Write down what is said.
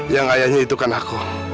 yang ayahnya itu kan aku